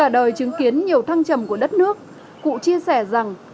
đời chứng kiến nhiều thăng trầm của đất nước cụ chia sẻ rằng